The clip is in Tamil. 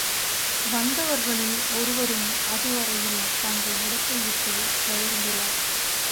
வந்தவர்களில் ஒருவரும் அதுவரையில் தங்கள் இடத்தை விட்டுப் பெயர்ந்திலர்.